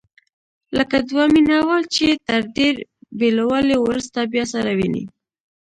لکه دوه مینه وال چې تر ډېر بېلوالي وروسته بیا سره ویني.